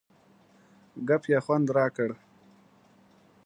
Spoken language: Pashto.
ګپ یې خوند را کړ.